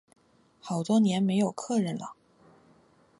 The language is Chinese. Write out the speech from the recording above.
好多年没有客人了